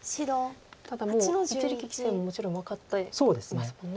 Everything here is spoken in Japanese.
ただもう一力棋聖ももちろん分かってますもんね。